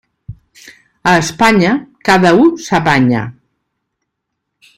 A Espanya, cada u s'apanya.